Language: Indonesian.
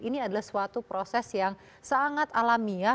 ini adalah suatu proses yang sangat alami ya